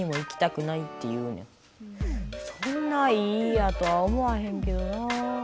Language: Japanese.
そんないい家やとは思わへんけどなぁ。